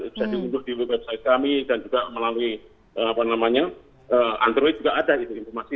bisa dihubungi di website kami dan juga melalui apa namanya android juga ada informasi